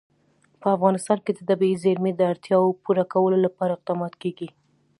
په افغانستان کې د طبیعي زیرمې د اړتیاوو پوره کولو لپاره اقدامات کېږي.